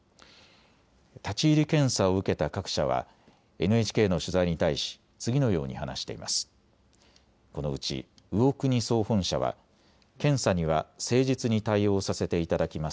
立ち入り検査を受けた各社はＮＨＫの取材に対し次のように話しています。